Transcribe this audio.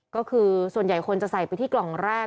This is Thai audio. ก็คือส่วนใหญ่คนจะใส่ไปที่กล่องแรก